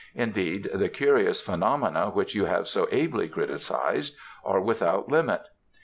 Indeed the curious phenomena which you have so ably criticised, are without limit.